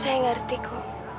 saya ngerti bu